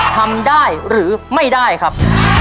ทำได้หรือไม่ได้ครับ